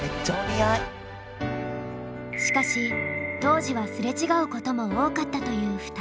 しかし当時はすれ違うことも多かったという２人。